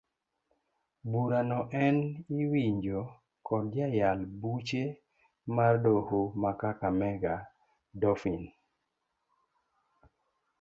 Burano en iwinjo kod jayal buche mar doho ma kakamega Daphne.